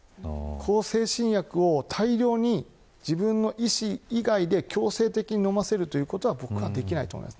向精神薬を大量に自分の意思以外で強制的に飲ませるということは僕はできないと思います。